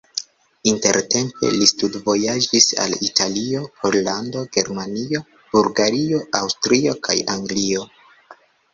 Intertempe li studvojaĝis al Italio, Pollando, Germanio, Bulgario, Aŭstrio kaj Anglio.